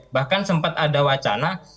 bahkan sempat ada wacana